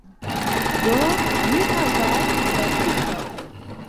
Do, mi havas la picon